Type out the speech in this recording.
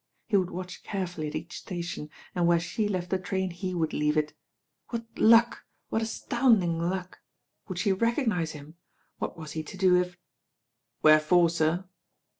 He would watch carefully at each station, and where she left the train he would leave it. What luck, what astounding luck I Would she recognise him? What was he to do if "Where for, sir?"